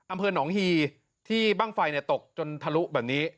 อำเภอหนองฮีที่บ้างไฟตกจนทะลุแบบนี้